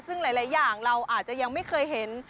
ซึ่งหลายอย่างเราอาจจะยังไม่เคยเห็น